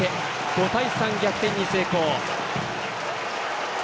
５対３、逆転に成功。